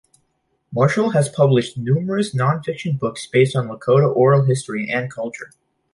Marshall has published numerous non-fiction books based on Lakota oral history and culture.